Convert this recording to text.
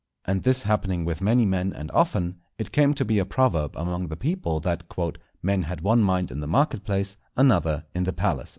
And this happening with many men and often, it came to be a proverb among the people, that "_men had one mind in the market place, another in the palace.